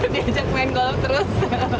diajak main golf terus